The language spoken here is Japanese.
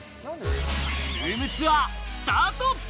ルームツアー、スタート！